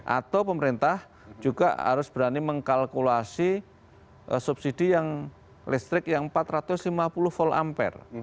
atau pemerintah juga harus berani mengkalkulasi subsidi yang listrik yang empat ratus lima puluh volt ampere